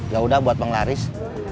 ya udah buat menglaris